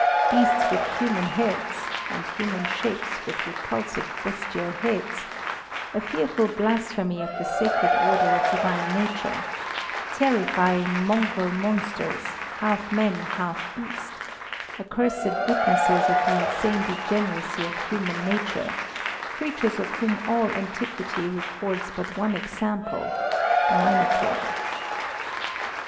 Beasts with human heads, and human shapes with repulsive bestial heads; a fearful blasphemy of the sacred order of divine nature; terrifying, mongrel monsters, half man, half beast; accursed witnesses of the insane degeneracy of human nature; creatures of whom all antiquity records but one example the Minotaur.